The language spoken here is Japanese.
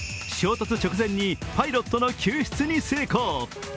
衝突直前にパイロットの救出に成功。